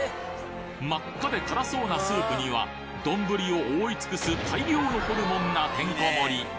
真っ赤で辛そうなスープには丼を覆い尽くす大量のホルモンがてんこ盛り！